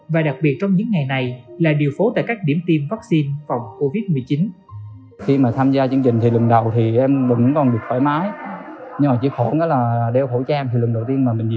và đặc biệt trong những ngày này là điều phố tại các điểm tiêm vaccine phòng covid một mươi chín